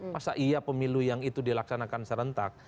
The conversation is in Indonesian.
masa iya pemilu yang itu dilaksanakan serentak